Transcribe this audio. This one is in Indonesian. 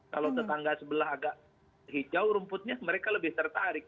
kalau tetangga sebelah agak hijau rumputnya mereka lebih tertarik